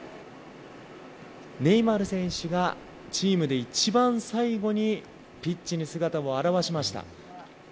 ネイマール選手がチームで一番最後にピッチに姿を現しました。